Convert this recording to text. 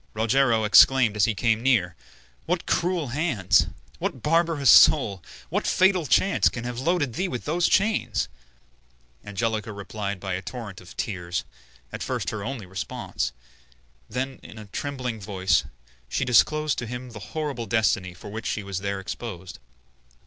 Rogero exclaimed as he came near, "What cruel hands, what barbarous soul, what fatal chance can have loaded thee with those chains?" Angelica replied by a torrent of tears, at first her only response; then, in a trembling voice, she disclosed to him the horrible destiny for which she was there exposed.